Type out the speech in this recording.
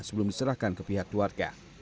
sebelum diserahkan ke pihak keluarga